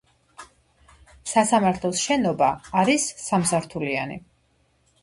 სასამართლოს შენობა არის სამსართულიანი.